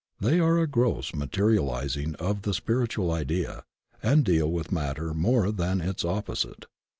They are a gross materializing of the spiritual idea, and deal with matter more than with its opposite.